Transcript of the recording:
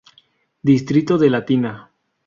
Distrito de Latina.